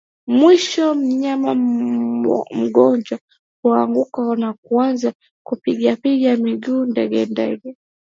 Mwishowe mnyama mgonjwa huanguka na kuanza kupigapiga miguu degedege